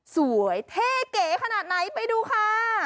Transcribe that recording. เท่เก๋ขนาดไหนไปดูค่ะ